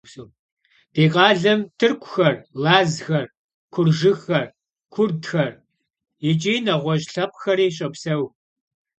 Di khalem tırkuxer, lazxer, kurjjıxer, kurtxer yiç'i neğueş' lhepkhxeri şopseu.